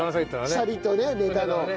シャリとねネタの。